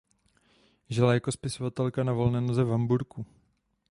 Žila jako spisovatelka na volné noze v Hamburku.